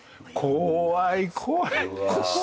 怖い怖い。